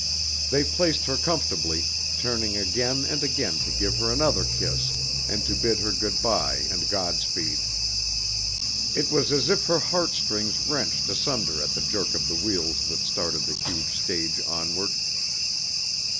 They placed her comfortably, turning again and again to give her another kiss and to bid her good by and God speed. It was as if her heartstrings wrenched asunder at the jerk of the wheels that started the huge stage onward.